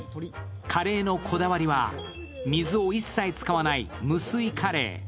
カレーのこだわりは、水を一切使わない無水カレー。